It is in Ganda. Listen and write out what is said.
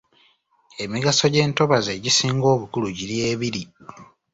Emigaso gy’entobazi egisinga obukulu giri ebiri.